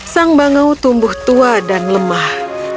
sang bangau tumbuh tua dan lemah